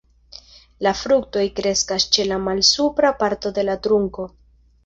La fruktoj kreskas ĉe la malsupra parto de la trunko.